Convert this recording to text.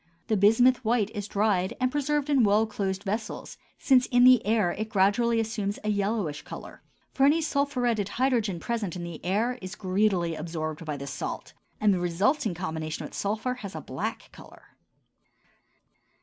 The bismuth white is dried and preserved in well closed vessels, since in the air it gradually assumes a yellowish color; for any sulphuretted hydrogen present in the air is greedily absorbed by this salt, and the resulting combination with sulphur has a black color.